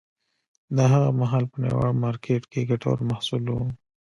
دا هغه مهال په نړیوال مارکېت کې ګټور محصول و.